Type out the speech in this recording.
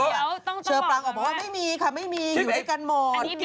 เชอปรังออกบอกว่าไม่มีค่ะไม่มีอยู่ด้วยกันหมด